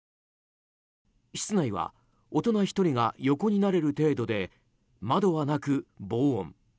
室内は大人１人が横になれる程度で窓はなく防音。